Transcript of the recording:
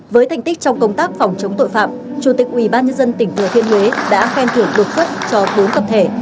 với thành tích trong công tác phòng chống tội phạm chủ tịch ubnd tỉnh thừa thiên huế đã khen thưởng đột xuất cho bốn tập thể